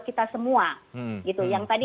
kita semua yang tadi